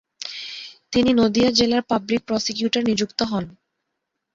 তিনি নদীয়া জেলার public prosecutor নিযুক্ত হন।